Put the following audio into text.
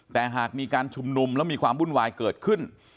แต่หากมีการชุมนุมแล้วมีความวุ่นวายเกิดขึ้น